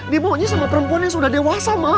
dibawahnya sama perempuan yang sudah dewasa maa